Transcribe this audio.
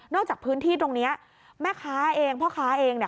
จากพื้นที่ตรงนี้แม่ค้าเองพ่อค้าเองเนี่ย